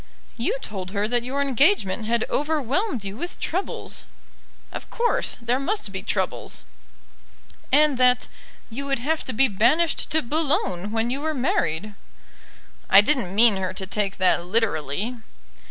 "You told her that your engagement had overwhelmed you with troubles." "Of course; there must be troubles." "And that you would have to be banished to Boulogne when you were married." "I didn't mean her to take that literally."